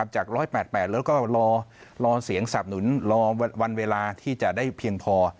จาก๑๘๘แล้วก็รอเสียงสับหนุนรอวันเวลาที่จะได้เพียงพอ